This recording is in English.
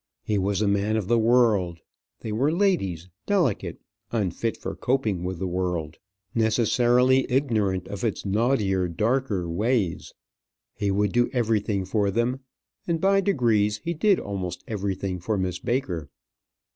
He was a man of the world; they were ladies, delicate, unfit for coping with the world, necessarily ignorant of its naughtier, darker ways; he would do everything for them: and by degrees he did almost everything for Miss Baker.